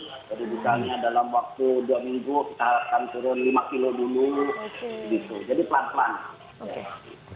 jadi misalnya dalam waktu dua minggu kita akan turun lima kg dulu jadi pelan pelan